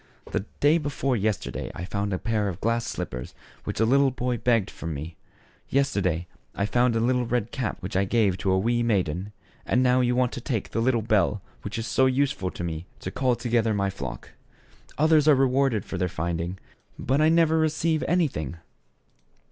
The day before yesterday I found a pair of glass slippers which a little boy begged from me ; yesterday, I found a tiny red cap which I gave to a wee maiden ; and now you want to take the little bell which is so useful to me to call together my flock. Others are rewarded for their finding, but I never re ceive anything."